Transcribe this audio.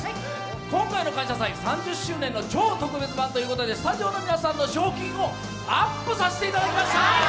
今回の「感謝祭」３０周年の超特別版ということでスタジオの皆さんの賞金をアップさせていただきました。